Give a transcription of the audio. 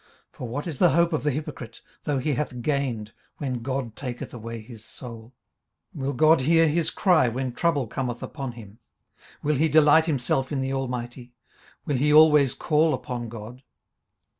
18:027:008 For what is the hope of the hypocrite, though he hath gained, when God taketh away his soul? 18:027:009 Will God hear his cry when trouble cometh upon him? 18:027:010 Will he delight himself in the Almighty? will he always call upon God?